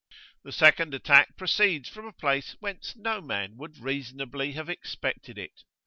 The second attack proceeds from a place whence no man would reasonably have expected it.